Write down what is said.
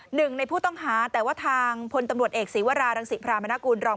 หนึ่งในผู้ต้องหาแต่ว่าทางพลตำรวจเอกศีวรารังศิพรามนากูลรอง